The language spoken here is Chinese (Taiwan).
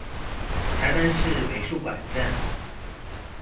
臺南市美術館站